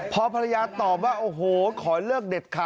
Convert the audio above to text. พอภรรยาตอบว่าโอ้โหขอเลิกเด็ดขาด